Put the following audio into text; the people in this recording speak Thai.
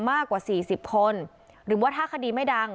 มากกว่าสี่สิบคนหรือว่าถ้าคดีไม่ดัง